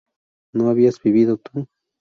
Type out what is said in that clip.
¿no habías vivido tú?